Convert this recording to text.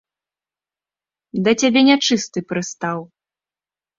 Да цябе нячысты прыстаў.